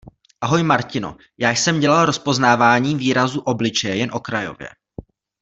Ahoj Martino, já jsem dělal rozpoznávání výrazu obličeje jen okrajově.